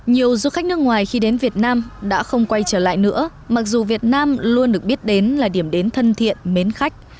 nhiều du khách nước ngoài khi đến việt nam đã không quay trở lại nữa mặc dù việt nam luôn được biết đến là điểm đến thân thiện mến khách